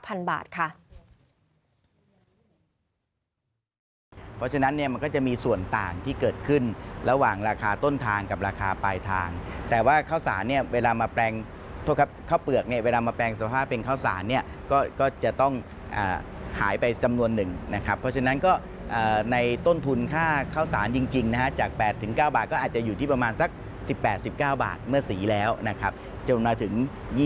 เพราะฉะนั้นเนี่ยมันก็จะมีส่วนต่างที่เกิดขึ้นระหว่างราคาต้นทางกับราคาปลายทางแต่ว่าข้าวสารเนี่ยเวลามาแปลงโทษครับข้าวเปลือกเนี่ยเวลามาแปลงสภาพเป็นข้าวสารเนี่ยก็จะต้องหายไปจำนวนหนึ่งนะครับเพราะฉะนั้นก็ในต้นทุนค่าข้าวสารจริงนะฮะจาก๘๙บาทก็อาจจะอยู่ที่ประมาณสัก๑๘๑๙บาทเมื่อสีแล้วนะครับจนมาถึง